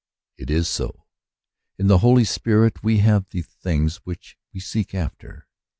It is so. In the Holy Spirit we have the things we seek after.